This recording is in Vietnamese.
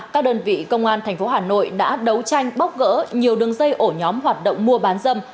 các đơn vị công an tp hà nội đã đấu tranh bóc gỡ nhiều đường dây ổ nhóm hoạt động mua bán dâm